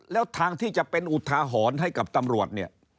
แล้วทางที่จะเป็นอุทาหรณ์ให้กับตำรวจเนี่ย